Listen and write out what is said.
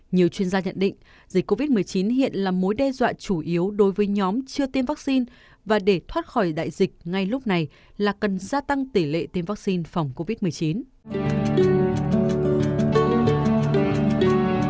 nhiều chuyên gia nhận định dịch covid một mươi chín hiện là mối đe dọa chủ yếu đối với nhóm chưa tiêm vaccine và để thoát khỏi đại dịch ngay lúc này là cần gia tăng tỷ lệ tiêm vaccine phòng covid một mươi chín